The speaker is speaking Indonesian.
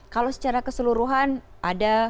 kalau secara keseluruhan ada